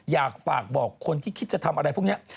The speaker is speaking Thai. อยากฝากบอกคนที่คิดจะทำอะไรพวกนี้